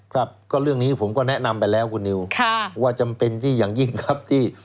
ครับก็เรื่องนี้ผมก็แนะนำไปแล้วคุณนิวค่ะว่าจำเป็นที่อย่างยิ่งครับที่